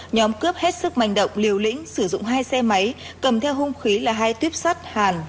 nhóm cướp hết sức manh động liều lĩnh sử dụng hai xe máy cầm theo hung khí là hai tuyếp sắt hàn